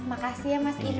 makasih ya mas indra